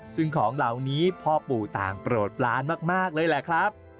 ซึ่งของเหล่านี้พ่อปู่ต่างโปรดปลานมากเลยแหละครับ